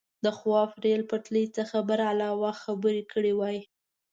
د خواف ریل پټلۍ څخه برعلاوه خبرې کړې وای.